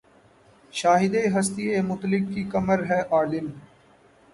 شاہدِ ہستیِ مطلق کی کمر ہے‘ عالم